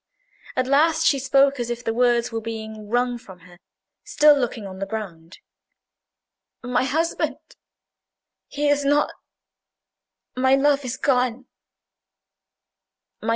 At last she spoke, as if the words were being wrung from her, still looking on the ground. "My husband... he is not... my love is gone!"